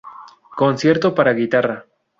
Concierto para guitarra